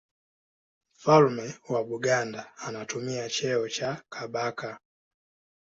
Mfalme wa Buganda anatumia cheo cha Kabaka.